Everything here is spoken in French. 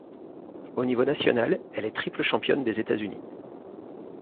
Au niveau national, elle est triple championne des États-Unis.